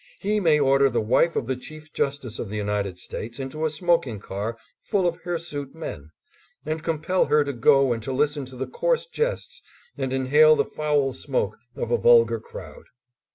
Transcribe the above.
He may order the wife of the Chief Justice of the United States into a smoking car full of hirsute men, and compel her to go and to listen to the coarse jests and inhale the foul smoke of a vulgar crowd.